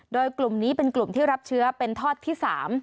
โดยกลุ่มนี้เป็นกลุ่มที่รับเชื้อเป็นทอดที่๓